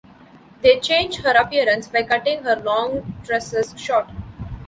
They change her appearance by cutting her long tresses short.